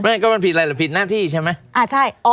หรือก็ผิดหน้าที่ใช่มั๊ย